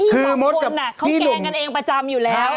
คือมดกับพี่หลุงพี่หมดน่ะเขาแกงกันเองประจำอยู่แล้ว